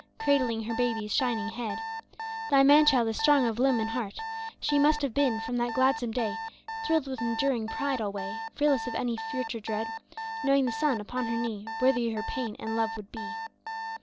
Cradling her baby's shining head, 'Thy man child is strong of limb and heart,'* She must have been from that gladsome day Thrilled with enduring pride alway, Fearless of any future dread. Knowing the son upon her knee Worthy her pain and love would be.